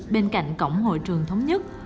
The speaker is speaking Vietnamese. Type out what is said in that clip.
bên cạnh cổng hội trường thống nhất